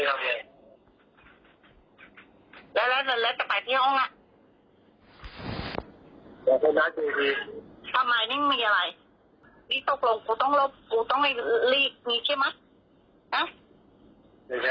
ตกลงกูต้องลีบมีใช่มั้ย